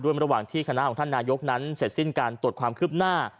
ระหว่างที่คณะของท่านนายกนั้นเสร็จสิ้นการตรวจความคืบหน้า